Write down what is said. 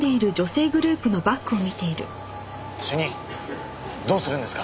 主任どうするんですか？